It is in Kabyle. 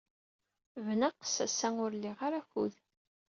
Bnaqes, ass-a ur liɣ ara akud.